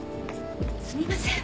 すみません。